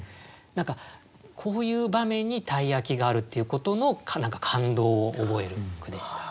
何かこういう場面に鯛焼があるっていうことの感動を覚える句でした。